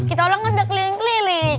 kita orang kan udah keliling keliling